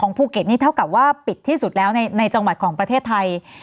ภูเก็ตนี่เท่ากับว่าปิดที่สุดแล้วในจังหวัดของประเทศไทย